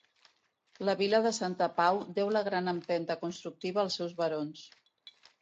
La Vila de Santa Pau deu la gran empenta constructiva als seus barons.